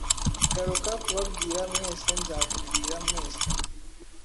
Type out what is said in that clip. Garuka kubabwira mwesenzakubwira mwese -